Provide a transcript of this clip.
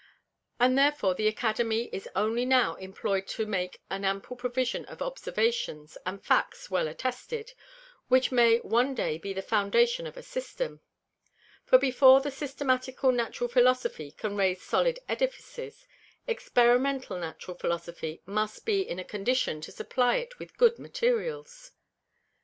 And therefore the Academy is only now employ'd to make an ample Provision of Observations, and Facts well attested, which may one day be the foundation of a System. For before the Systematical Natural Philosophy can raise solid Edifices; Experimental Natural Philosophy must be in a condition to supply it with good Materials.